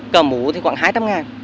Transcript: cà mũ thì khoảng hai trăm linh ngàn